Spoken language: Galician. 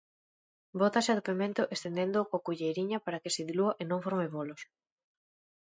Bótase o pemento estendéndoo coa culleriña para que se dilúa e non forme bolos.